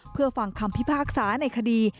เพื่อฟังคำพิพากษาในคดี